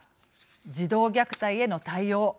児童虐待への対応